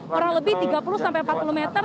kurang lebih tiga puluh sampai empat puluh meter